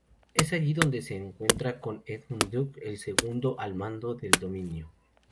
Es allí donde se encuentra con Edmund Duke, el segundo al mando del Dominio.